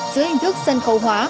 giữa hình thức sân khấu hóa